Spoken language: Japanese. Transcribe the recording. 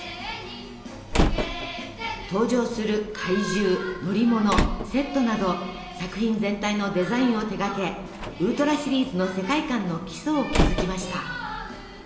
登場する怪獣乗り物セットなど作品全体のデザインを手がけウルトラシリーズの世界観の基礎を築きました。